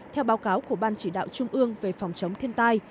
theo báo cáo của ban chỉ đạo trung ương về phòng chống thiên tai